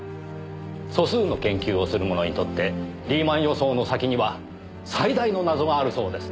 素数の研究をする者にとってリーマン予想の先には最大の謎があるそうですねぇ。